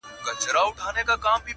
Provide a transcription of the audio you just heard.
ما خو دا نه ویل شینکی آسمانه!